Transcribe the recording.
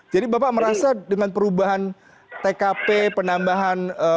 jadi bapak merasa dengan perubahan tkp penambahan alibi baru